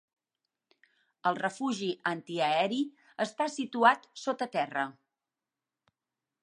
El refugi antiaeri està situat sota terra.